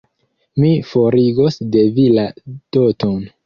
Mi forigos de vi la doton.